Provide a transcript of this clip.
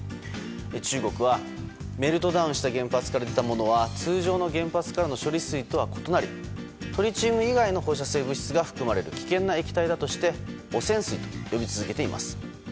中国はメルトダウンした原発から出たものは通常の原発からの処理水とは異なりトリチウム以外の放射性物質が含まれる危険な液体だとして汚染水と呼び続けています。